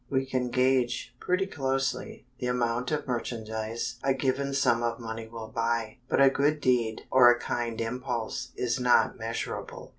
We can gauge pretty closely the amount of merchandise a given sum of money will buy. But a good deed or a kind impulse is not measurable.